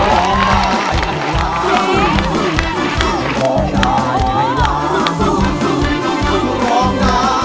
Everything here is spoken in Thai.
ร้องได้ให้ร้าน